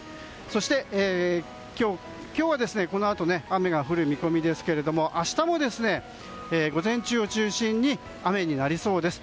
そして、今日はこのあと雨が降る見込みですが明日も、午前中を中心に雨になりそうです。